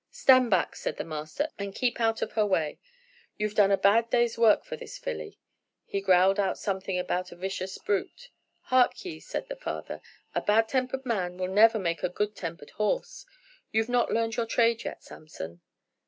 'Stand back,' said the master, 'and keep out of her way; you've done a bad day's work for this filly.' He growled out something about a vicious brute. 'Hark ye,' said the father, 'a bad tempered man will never make a good tempered horse. You've not learned your trade yet, Samson.'